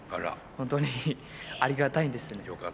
本当に、ありがたいんですね。